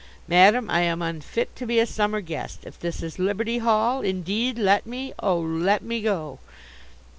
Madam, I am unfit to be a summer guest. If this is Liberty Hall indeed, let me, oh, let me go!"